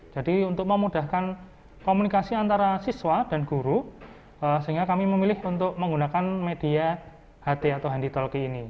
jadi untuk memudahkan komunikasi antara siswa dan guru sehingga kami memilih untuk menggunakan media ht atau handi toki ini